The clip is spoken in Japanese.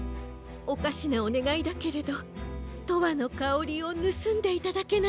おかしなおねがいだけれど「とわのかおり」をぬすんでいただけないかしら？